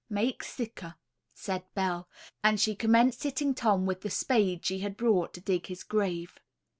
"Make siccar," said Bell; and she commenced hitting Tom with the spade she had brought to dig his grave.